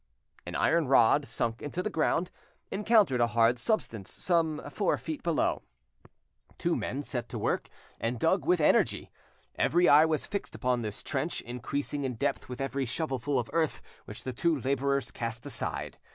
An iron rod sunk into the ground, encountered a hard substance some four feet below. Two men set to work, and dug with energy. Every eye was fixed upon this trench increasing in depth with every shovelful of earth which the two labourers cast aside.